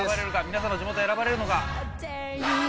皆さんの地元選ばれるのか？